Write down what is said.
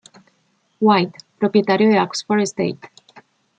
White, propietario de Oxford State".